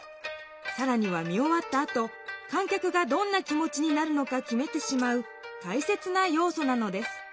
さらには見おわったあと観客がどんな気持ちになるのかきめてしまうたいせつな要素なのです。